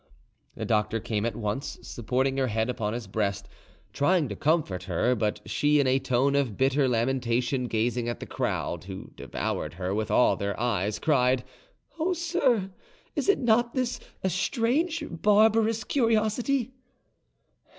The doctor came at once, supporting her head upon his breast, trying to comfort her; but she, in a tone of bitter lamentation, gazing at the crowd, who devoured her with all their eyes, cried, "Oh, sir, is not this a strange, barbarous curiosity?"